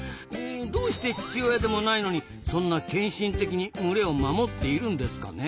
どうして父親でもないのにそんな献身的に群れを守っているんですかね？